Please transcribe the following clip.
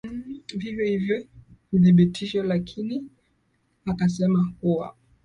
vivyo hivyo vidhibitisho lakini akasema kuwa